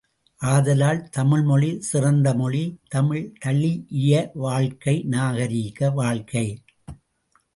ஆதலால், தமிழ்மொழி சிறந்த மொழி, தமிழ் தழீஇய வாழ்க்கை நாகரிக வாழ்க்கை.